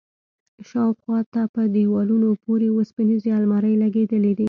شاوخوا ته په دېوالونو پورې وسپنيزې المارۍ لگېدلي دي.